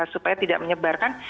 supaya tidak menyebarkan